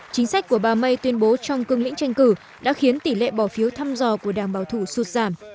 chính sách của bà may tuyên bố trong cương lĩnh tranh cử đã khiến tỷ lệ bỏ phiếu thăm dò của đảng bảo thủ sụt giảm